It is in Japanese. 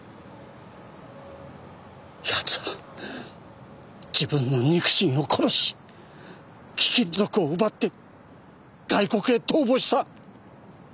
奴は自分の肉親を殺し貴金属を奪って外国へ逃亡した。